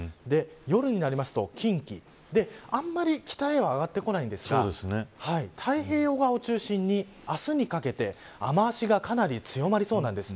夜になりますと近畿あまり北へは上がってこないんですが太平洋側を中心に明日にかけて雨脚がかなり強まりそうなんです。